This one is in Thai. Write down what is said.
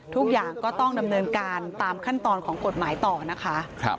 ทุกอย่างก็ต้องดำเนินการตามขั้นตอนของกฎหมายต่อนะคะ